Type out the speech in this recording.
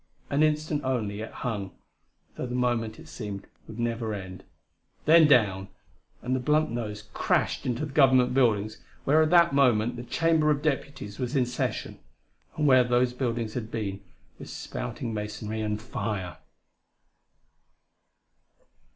An instant, only, it hung, though the moment, it seemed, would never end then down! and the blunt nose crashed into the Government buildings where at that moment the Chamber of Deputies was in session ... and where those buildings had been was spouting masonry and fire.